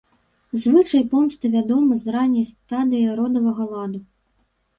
Звычай помсты вядомы з ранняй стадыі родавага ладу.